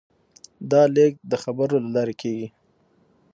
دا لېږد د خبرو له لارې کېږي.